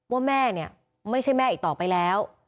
ว่าแม่เนี่ยไม่ใช่แม่อีกต่อไปแล้ว